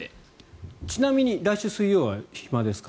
ちなみに来週水曜は暇ですか？